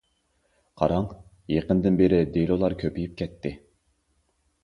قاراڭ، يېقىندىن بېرى دېلولار كۆپىيىپ كەتتى.